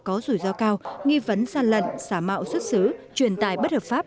có rủi ro cao nghi vấn gian lận xả mạo xuất xứ truyền tài bất hợp pháp